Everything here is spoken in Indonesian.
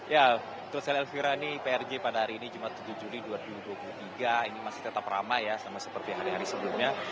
ya terus saya elvira ini prj pada hari ini jumat tujuh juli dua ribu dua puluh tiga ini masih tetap ramai ya sama seperti hari hari sebelumnya